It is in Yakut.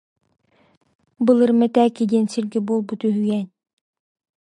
Былыр Мэтээки диэн сиргэ буолбут үһүйээн